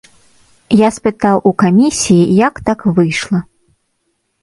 Я спытаў у камісіі, як так выйшла.